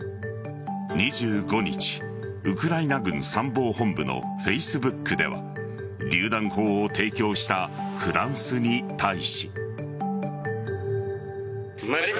２５日、ウクライナ軍参謀本部のＦａｃｅｂｏｏｋではりゅう弾砲を提供したフランスに対し。